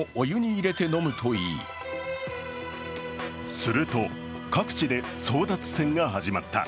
すると各地で争奪戦が始まった。